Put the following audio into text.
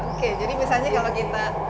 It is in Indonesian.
oke jadi misalnya kalau kita